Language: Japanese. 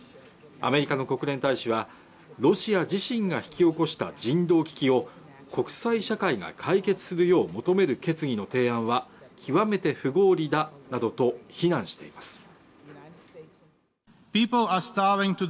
アメリカの国連大使はロシア自身が引き起こした人道危機を国際社会が解決するよう求める決議の提案は極めて不合理だなどと非難しています